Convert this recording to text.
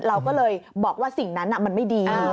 เราก็เลยบอกว่าสิ่งนั้นมันไม่ดี